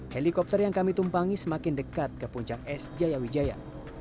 helikopter yang kami tumpangi semakin dekat ke puncak es jaya wijaya